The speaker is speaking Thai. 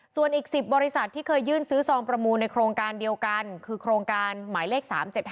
ส่วนอีก๑๐บริษัทที่เคยยื่นซื้อซองประมูลในโครงการเดียวกันคือโครงการหมายเลข๓๗๕